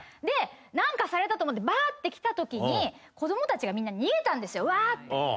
で何かされたと思ってバッて来たときに子供たちがみんな逃げたんですよワーッて。